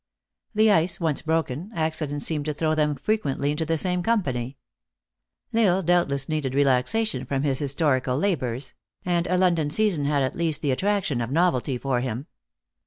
The ice once broken, accident seemed to throw them frequently into the same company. L Isle doubt less needed relaxation from his historical labors ; and a London season had at least the attraction of novelty for him.